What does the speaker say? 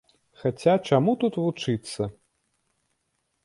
Хаця чаму тут вучыцца?